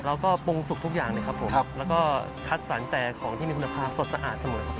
เราก็ปรุงสุกทุกอย่างนะครับผมแล้วก็คัดสันแต่ของที่มีคุณภาพสดสะอาดเสมอ